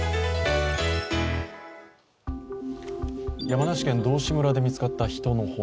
山梨県道志村で見つかった人の骨。